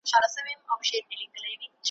ستا له وېشه مي زړه شین دی له تش جامه ,